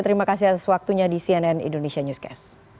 terima kasih atas waktunya di cnn indonesia newscast